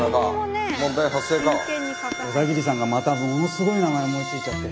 小田切さんがまたものすごい名前思いついちゃって。